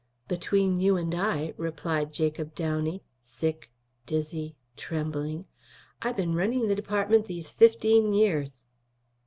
"Between you and I," replied Jacob Downey, sick, dizzy, trembling, "I been running the department these fifteen years."